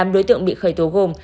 tám đối tượng bị khởi tố gồm